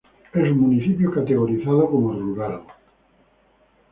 Es un municipio categorizado como rural.